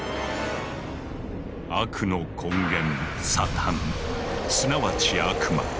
悪の根源サタンすなわち悪魔。